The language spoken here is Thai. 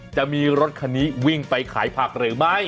จะมีรถคันนี้วิ่งไปขายผักหรือไม่